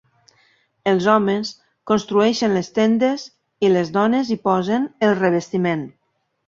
Els homes construeixen les tendes i les dones hi posen el revestiment.